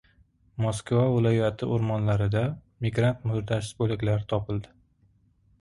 Moskva viloyati o‘rmonlarida migrant murdasi bo‘laklari topildi